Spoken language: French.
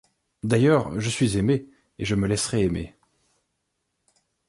D’ailleurs, je suis aimée, et je me laisserai aimer.